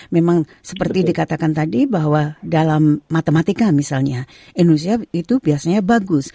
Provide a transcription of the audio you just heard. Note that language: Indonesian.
memang seperti dikatakan tadi bahwa dalam matematika misalnya indonesia itu biasanya bagus